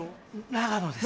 永野です。